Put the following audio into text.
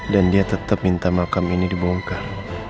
dan dia tetap minta makam ini dibongkar